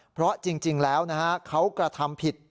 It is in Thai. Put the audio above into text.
เพราะจริงแล้วนะฮะเขากระทำผิด